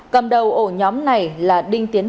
cầm đầu ổ nhóm này là đinh tiến hồ